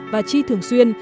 và chi thường xuyên